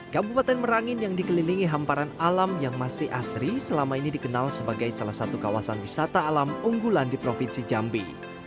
kabupaten merangin yang dikelilingi hamparan alam yang masih asri selama ini dikenal sebagai salah satu kawasan wisata alam unggulan di provinsi jambi